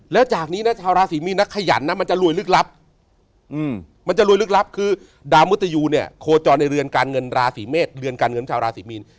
และจากนี้นะชาวราศิมีนนักขยันนะมันจะรวยลึกลับมันจะรวยลึกลับคือดาวมุฒิยูเนี่ยโคจรในเรือนการเงินราศิเมศ